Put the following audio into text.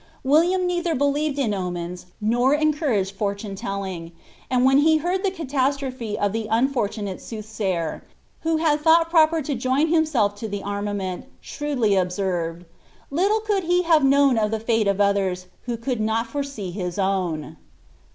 William neither believed in omens nor encouraged fortune telling, and when he heard the catastrophe of the unfortunate soothsayer, who had thought proper to join himself to the armament, shrewdly observed, ^ Little could he have known of the fiite of others who could not foresee his own."'